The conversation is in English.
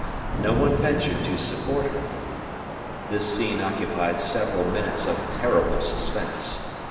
No one ventured to support her. This scene occupied several minutes of terrible suspense.